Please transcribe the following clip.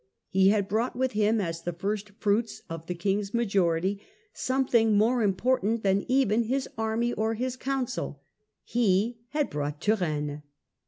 He had brought with him, as the first fruits of the King's majority, something more important than even his army or his counsel : he had brought Turenne.